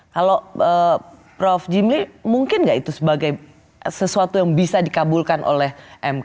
kalau prof jimli mungkin nggak itu sebagai sesuatu yang bisa dikabulkan oleh mk